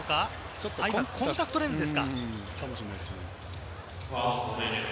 ちょっとコンタクトレンズですか。